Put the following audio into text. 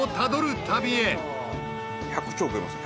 １００丁食えますよ